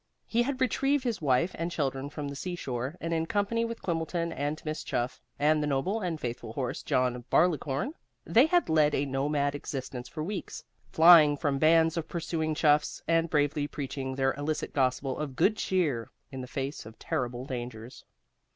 He had retrieved his wife and children from the seashore, and in company with Quimbleton and Miss Chuff, and the noble and faithful horse John Barleycorn, they had led a nomad existence for weeks, flying from bands of pursuing chuffs, and bravely preaching their illicit gospel of good cheer in the face of terrible dangers.